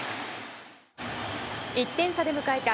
１点差で迎えた